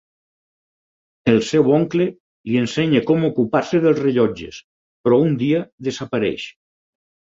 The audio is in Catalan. El seu oncle li ensenya com ocupar-se dels rellotges, però un dia desapareix.